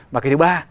và cái thứ ba